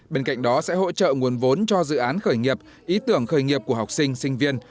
bên cạnh đó sẽ hỗ trợ nguồn vốn cho dự án khởi nghiệp ý tưởng khởi nghiệp của học sinh sinh viên